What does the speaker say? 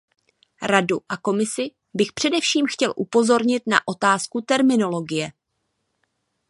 Radu a Komisi bych především chtěl upozornit na otázku terminologie.